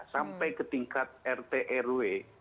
sampai ke tingkat rt rw